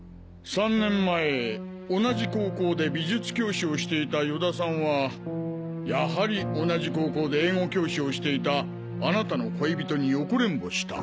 ３年前同じ高校で美術教師をしていた与田さんはやはり同じ高校で英語教師をしていたあなたの恋人に横恋慕した。